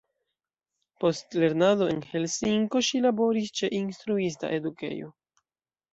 Post lernado en Helsinko ŝi laboris ĉe instruista edukejo.